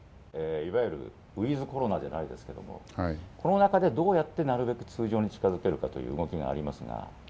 いわゆるｗｉｔｈコロナじゃないですけどもこの中で、どうやってなるべく通常に近づけるかという動きがありますが。